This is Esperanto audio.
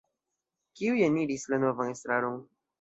Kiuj eniris la novan estraron?